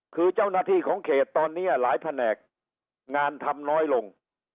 คือเจ้าหน้าที่ของเขตตอนนี้หลายแผนกงานทำน้อยลง